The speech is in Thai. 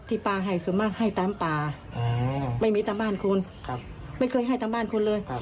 ป้าให้ส่วนมากให้ตามป่าไม่มีตามบ้านคนไม่เคยให้ตามบ้านคุณเลย